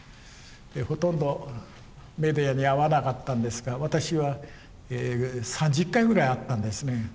ほとんどメディアに会わなかったんですが私は３０回ぐらい会ったんですね。